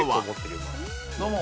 どうも。